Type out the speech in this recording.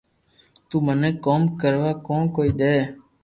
تو مني ڪوم ڪروا ڪون ڪئي دي